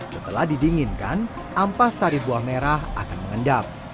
setelah didinginkan ampas sari buah merah akan mengendap